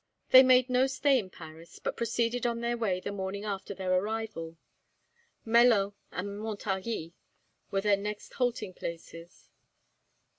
They made no stay in Paris, but proceeded on their way, the morning after their arrival. Melun and Montargis were their next halting places.